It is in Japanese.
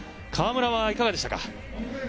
川村はいかがでしたか？